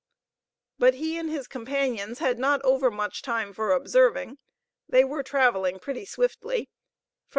But he and his companions had not over much time for observing. They were traveling pretty swiftly.